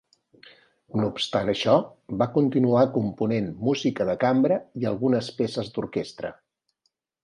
No obstant això, va continuar component música de cambra i algunes peces d'orquestra.